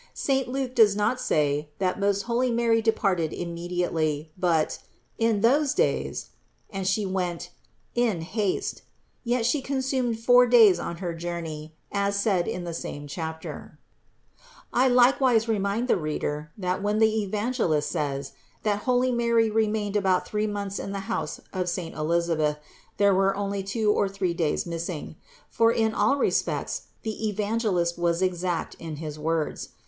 Saint Luke does not say, that most holy Mary departed immediately, but "in those days," and though She went "in haste," yet THE INCARNATION 223 she consumed four days on her journey, as said in the same chapter (No. 207). 273. I likewise reminded the reader, that when the Evangelist says, that holy Mary remained about three months in the house of saint Elisabeth, there were only two or three days missing; for in all respects the Evan gelist was exact in his words.